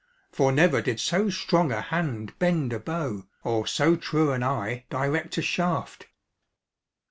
For never did so strong a hand bend a bow, or so true an eye direct a shaft."